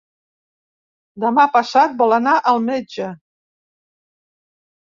Demà passat vol anar al metge.